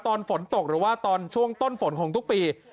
ตอนฝนตกหรือว่าตอนช่วงต้นฝนของทุกปี